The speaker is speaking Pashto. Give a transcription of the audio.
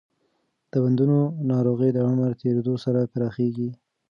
د بندونو ناروغي د عمر تېریدو سره پراخېږي.